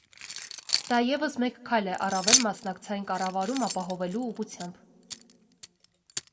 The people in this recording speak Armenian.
Դա ևս մեկ քայլ է առավել մասնակցային կառավարում ապահովելու ուղղությամբ: